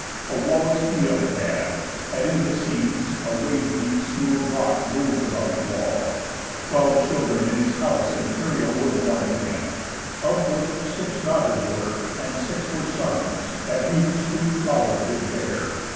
A wall of steel it had; and in the seas A wave beat smooth rock mov'd about the wall. Twelve children in his house imperial Were born to him; of which six daughters were, And six were sons, that youth's sweet flow'r did bear.